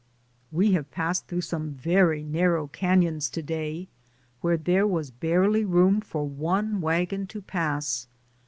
We have passed through some very nar row canons to day, where there was barely room for one wagon to pass.